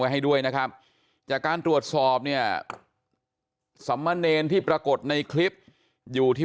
ให้ด้วยนะครับจากการตรวจสอบเนี่ยสมเนรที่ปรากฏในคลิปอยู่ที่